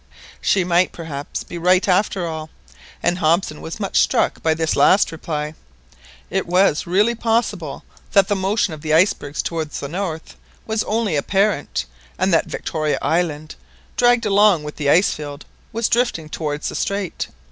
She might perhaps be right after all, and Hobson was much struck by this last reply. It was really possible that the motion of the icebergs towards the north was only apparent, and that Victoria Island, dragged along with the ice field, was drifting towards the strait.